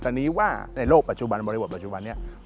ตอนนี้ว่าในโลกปัจจุบันบริบทปัจจุบันนี้